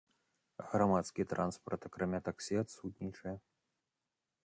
Грамадскі транспарт, акрамя таксі, адсутнічае.